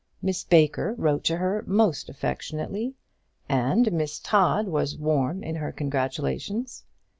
Miss Baker wrote to her most affectionately; and Miss Todd was warm in her congratulations.